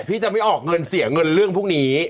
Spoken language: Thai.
พี่จะไม่ออกเงินเสียเงินเรื่องพวกนี้